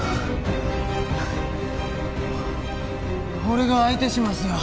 俺が相手しますよ。